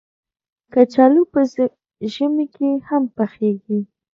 کچالو په ژمي کې هم پخېږي